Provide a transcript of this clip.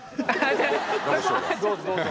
どうぞどうぞ。